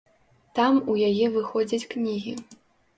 Там у яе выходзяць кнігі.